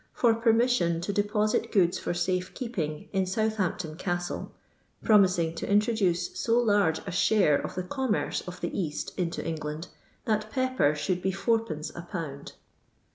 for permission to deposit goods for safe keeping in Southampton Castle, promising to introduce so large a share of the commerce of the East into Enghind, that pepper should be id. a pound.